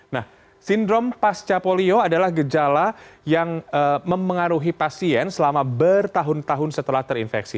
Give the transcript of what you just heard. nah sindrom pasca polio adalah gejala yang mempengaruhi pasien selama bertahun tahun setelah terinfeksi